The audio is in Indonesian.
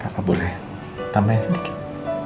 kisya boleh tambahin sedikit